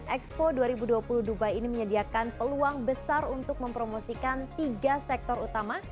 expo dua ribu dua puluh dubai ini menyediakan peluang besar untuk mempromosikan tiga sektor utama